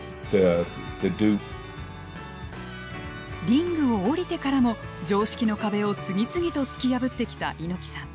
リングを下りてからも常識の壁を次々と突き破ってきた猪木さん。